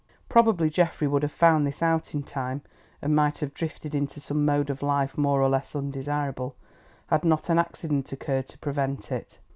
Probably Geoffrey would have found this out in time, and might have drifted into some mode of life more or less undesirable, had not an accident occurred to prevent it.